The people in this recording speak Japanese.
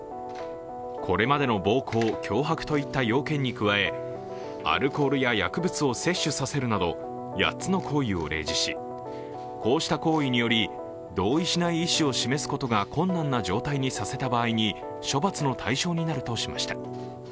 これまでの暴行・脅迫といった要件に加え、アルコールや薬物を摂取させるなど８つの行為を例示しこうした行為により、同意しない意思を示すことが困難な状態にさせた場合に処罰の対象になるとしました。